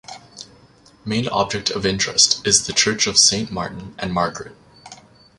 Main object of interest is the Church of Saint Martin and Margaret.